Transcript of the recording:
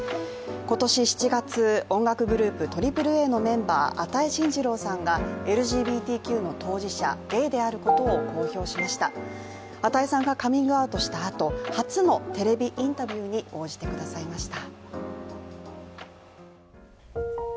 今年７月音楽グループＡＡＡのメンバー、與真司郎さんがＬＧＢＴＱの当事者、ゲイであることを公表しました與さんがカミングアウトしたあと、初のテレビインタビューに応じてくださいました。